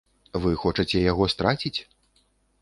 Вы хочаце яго страціць?